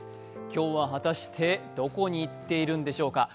今日は果たしてどこに行っているんでしょうか。